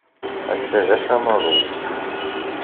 Ass-a d ass amaḍu.